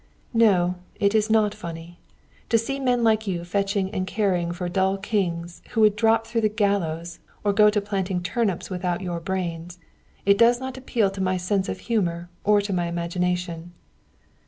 "No; it is not funny. To see men like you fetching and carrying for dull kings, who would drop through the gallows or go to planting turnips without your brains it does not appeal to my sense of humor or to my imagination."